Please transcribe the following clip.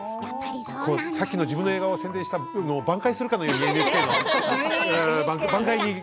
さっき自分の映画を宣伝した分をばん回するかのようにＮＨＫの番組をね。